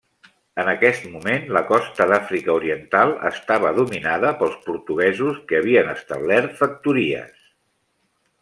En aquest moment, la costa d'Àfrica Oriental estava dominada pels portuguesos, que havien establert factories.